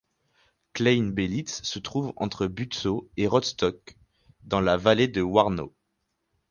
Klein Belitz se trouve entre Bützow et Rostock dans la vallée de la Warnow.